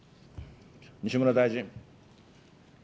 西村大臣。